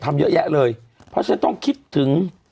ทำเยอะแยะเลยเพราะฉะนั้นต้องคิดถึง